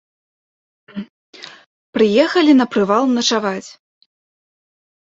Прыехалі на прывал начаваць.